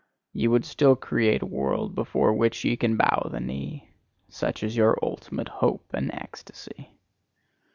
Ye would still create a world before which ye can bow the knee: such is your ultimate hope and ecstasy.